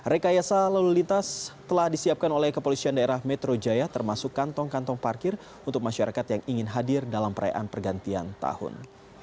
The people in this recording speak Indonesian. rekayasa lalu lintas telah disiapkan oleh kepolisian daerah metro jaya termasuk kantong kantong parkir untuk masyarakat yang ingin hadir dalam perayaan pergantian tahun